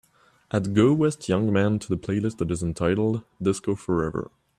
Add Go West Young Man to the playlist that is entitled, Disco Forever.